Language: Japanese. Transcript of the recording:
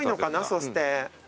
そして。